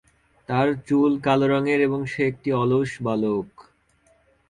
তার চুল কালো রঙের এবং সে একটি অলস বালক।